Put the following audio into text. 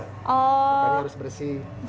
bukannya harus bersih